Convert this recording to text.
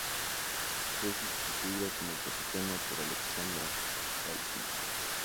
Fue sustituida como capitana por Alexandra Raisman.